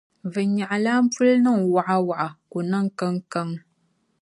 Vinyaɣililana puli niŋ wɔɣawɔɣa ku niŋ kiŋkiŋ.